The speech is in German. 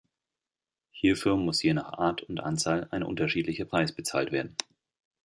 Hierfür muss je nach Art und Anzahl ein unterschiedlicher Preis bezahlt werden.